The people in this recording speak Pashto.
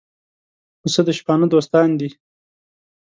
پسه د شپانه دوستان دي.